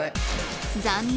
残念。